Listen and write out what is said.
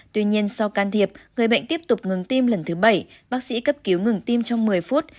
tuy nhiên sau can thiệp người bệnh tiếp tục ngừng tim lần thứ bảy bác sĩ cấp cứu ngừng tim trong một mươi phút